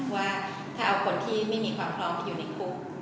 ว่าถ้าเอาคนที่ไม่มีความพร้อมอยู่ในคุก